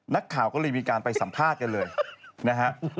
นักข่าวก็เลยมีการไปสัมภาษณ์กันเลยนะฮะ